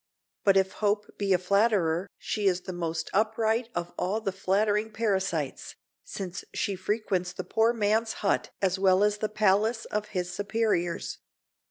But if hope be a flatterer she is the most upright of all the flattering parasites, since she frequents the poor man's hut as well as the palace of his superiors.